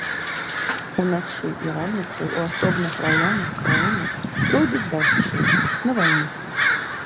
Уначы і раніцай у асобных раёнах краіны пройдуць дажджы, навальніцы.